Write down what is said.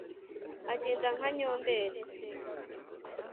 agenda nka nyomberi